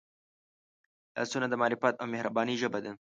لاسونه د معرفت او مهربانۍ ژبه ده